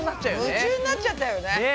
夢中になっちゃったよね。